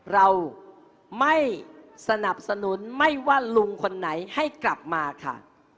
เราไม่สนับสนุนไม่ว่าลุงคนไหนให้กลับมาค่ะ